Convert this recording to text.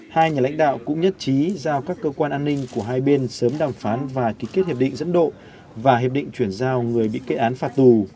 hai nhà lãnh đạo cũng nhất trí giao các cơ quan an ninh của hai bên sớm đàm phán và ký kết hiệp định dẫn độ và hiệp định chuyển giao người bị kết án phạt tù